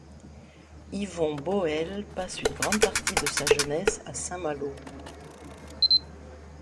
Yvon Boëlle passe une grande partie de sa jeunesse à Saint-Malo.